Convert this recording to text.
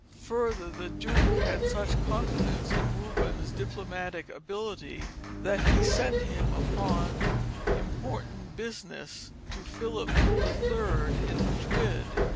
Further, the Duke had such confidence in Rubens' diplomatic ability that he sent him upon important business to Philip III. in Madrid.